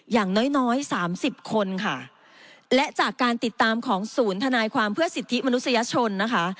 อย่างน้อยน้อยสามสิบคนค่ะและจากการติดตามของศูนย์ทนายความเพื่อสิทธิมนุษยชนนะคะ